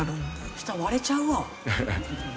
下割れちゃうわ。